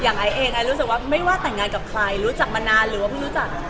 ไอ้เองไอซ์รู้สึกว่าไม่ว่าแต่งงานกับใครรู้จักมานานหรือว่าเพิ่งรู้จัก